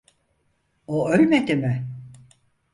O ölmedi mi?